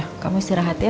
ya udah kamu istirahat yuk